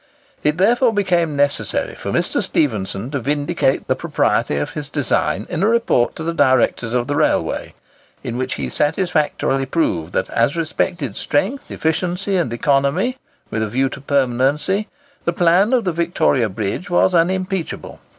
It therefore became necessary for Mr. Stephenson to vindicate the propriety of his design in a report to the directors of the railway, in which he satisfactorily proved that as respected strength, efficiency, and economy, with a view to permanency, the plan of the Victoria Bridge was unimpeachable.